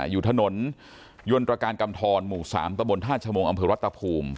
อยู่ถนนยนตรการกำทรหมู่๓ตะบนท่าชมงอำเภอรัตภูมิ